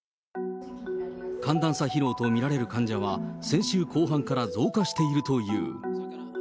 寒暖差疲労とみられる患者は、先週後半から増加しているという。